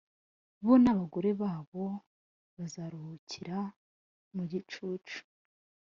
bo n’abagore babo bazaruhukira mu gicucu